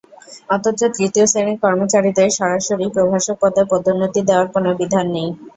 অথচ তৃতীয় শ্রেণির কর্মচারীদের সরাসরি প্রভাষক পদে পদোন্নতি দেওয়ার কোনো বিধান নেই।